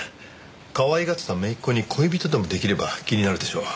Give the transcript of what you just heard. かわいがってた姪っ子に恋人でも出来れば気になるでしょう？